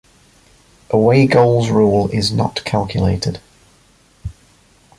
Away goals rule is not calculated.